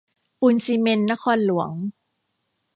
ปูนซีเมนต์นครหลวง